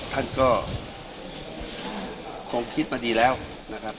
ท่านก็คงคิดมาดีแล้วนะครับ